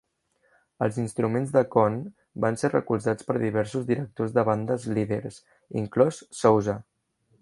Els instruments de Conn van ser recolzats per diversos directors de bandes líders, inclòs Sousa.